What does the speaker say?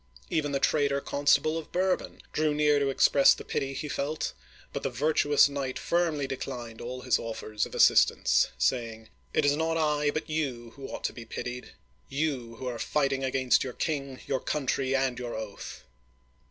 Even the traitor Constable of Bourbon drew near to express the pity he felt; but the virtuous knight firmly declined all his offers of assistance, saying :'* It is not I, but you, who ought to be pitied. You, who are fighting against your king, your country, and your oafth